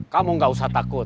kamu nggak usah takut